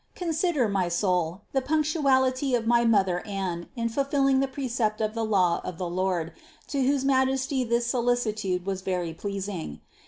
Consider, my soul the punctuality of my mother Anne in fulfilling the precept of the law of the Lord, to whose Majesty this solicitude was very pleasing.